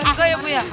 enggak ya bu ya